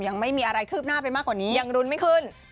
ยังไม่มีอะไรคืบหน้าไปมากกว่านี้ยังรุ้นไม่ขึ้น